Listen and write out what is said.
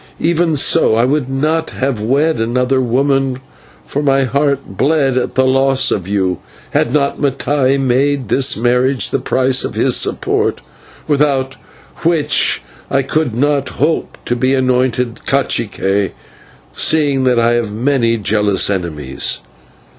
Even so I would not have wed another woman, for my heart bled at the loss of you, had not Mattai made this marriage the price of his support, without which I could not hope to be anointed /cacique/, seeing that I have many jealous enemies.